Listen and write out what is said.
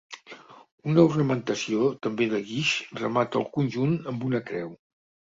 Una ornamentació també de guix remata el conjunt amb una creu.